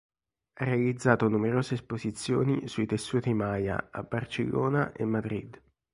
Ha realizzato numerose esposizioni sui tessuti maya a Barcellona e Madrid.